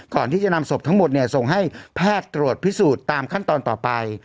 ก่อนที่จะนำศพทั้งหมดส่งให้แพทย์ตรวจพิสูจน์ตามขั้นตอนต่อไป